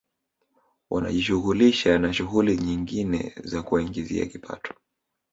Wanajishughulisha na shughuli nyingine za kuwaingizia kipato